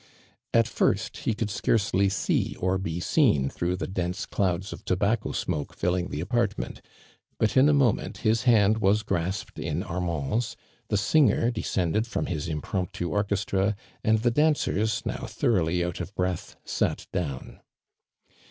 At first, he could scarcely see, or be seen through the dense clouds of tobacco smoke filling the apartment, but in a moment his hand was grasped in Armand's, the singer descended from his impromptu orchestra, and the dancers, now thoroughly out of breath, sat down.